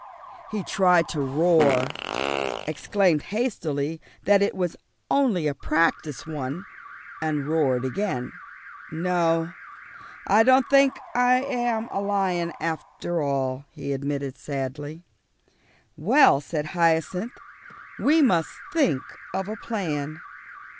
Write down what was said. He tried to roar, exclaimed hastily that it was only a practice one, and roared again. "No, I don't think I'm a lion after all," he admitted sadly. "Well," said Hyacinth, "we must think of a plan."